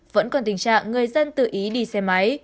vẫn còn tình trạng người dân tự ý đi xe máy